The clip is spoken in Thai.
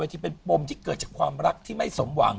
ที่เป็นปมที่เกิดจากความรักที่ไม่สมหวัง